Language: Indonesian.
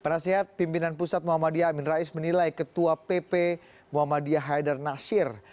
penasehat pimpinan pusat muhammadiyah amin rais menilai ketua pp muhammadiyah haidar nasir